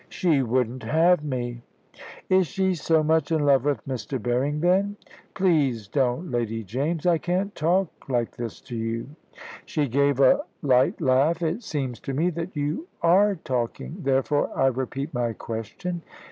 "She wouldn't have me!" "Is she so much in love with Mr. Berring, then?" "Please don't, Lady James. I can't talk like this to you." She gave a light laugh. "It seems to me that you are talking; therefore I repeat my question."